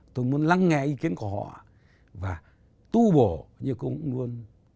tôi muốn lắng nghe ý kiến của họ và tu bổ như cũng muốn